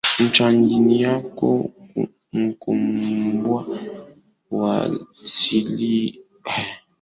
mchanganyiko mkubwa wa asili kuliko nyingine yoyote duniani